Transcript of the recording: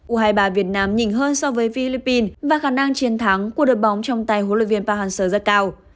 u hai mươi ba việt nam nhìn hơn so với philippines và khả năng chiến thắng của đội bóng trong tay hỗ lợi viên park han seo rất cao